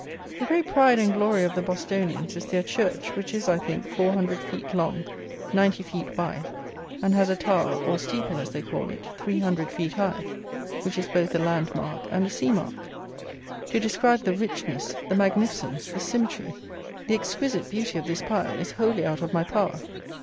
The great pride and glory of the Bostonians, is their church, which is, I think, 400 feet long, 90 feet wide, and has a tower (or steeple, as they call it) 300 feet high, which is both a land mark and a sea mark. To describe the richness, the magnificence, the symmetry, the exquisite beauty of this pile, is wholly out of my power.